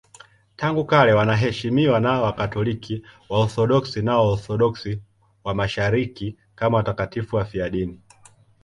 Tangu kale wanaheshimiwa na Wakatoliki, Waorthodoksi na Waorthodoksi wa Mashariki kama watakatifu wafiadini.